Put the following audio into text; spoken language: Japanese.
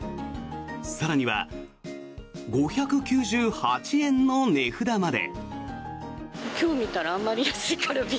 更には５９８円の値札まで。